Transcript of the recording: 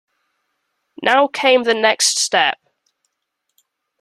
Now came the next step.